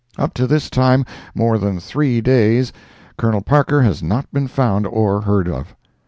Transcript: Up to this time, more than three days, Col. Parker has not been found or heard of.